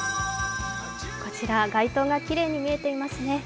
こちら、街灯がきれいに見えていますね。